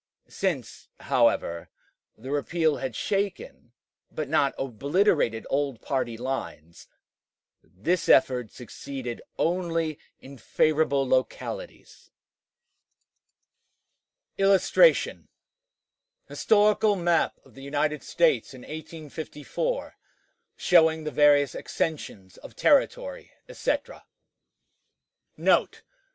Since, however, the repeal had shaken but not obliterated old party lines, this effort succeeded only in favorable localities. [Illustration: HISTORICAL MAP OF THE UNITED STATES IN 1854 SHOWING THE VARIOUS ACCESSIONS OF TERRITORY ETC. NOTE.